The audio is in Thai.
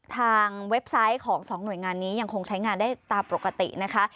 เว็บไซต์ของสองหน่วยงานนี้ยังคงใช้งานได้ตามปกตินะคะ